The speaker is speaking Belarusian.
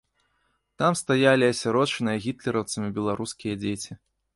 Там стаялі асірочаныя гітлераўцамі беларускія дзеці.